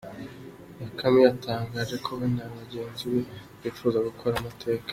Bakame yatangaje ko we na bagenzi be bifuza gukora amateka.